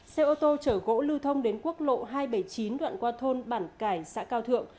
xe ô tô chở gỗ lưu thông đến quốc lộ hai trăm bảy mươi chín đoạn qua thôn bản cải xã cao thượng